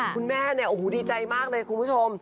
คุณแม่เนี่ยโอ้โหดีใจมากเลยคุณผู้ชม